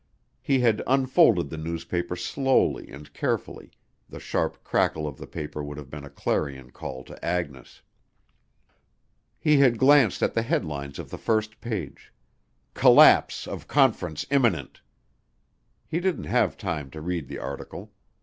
He had unfolded the newspaper slowly and carefully, the sharp crackle of the paper would have been a clarion call to Agnes. He had glanced at the headlines of the first page. "Collapse Of Conference Imminent." He didn't have time to read the article.